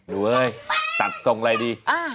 ดูเว้ยตัดตรงอะไรดิ